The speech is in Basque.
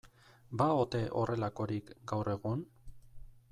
Ba ote horrelakorik gaur egun?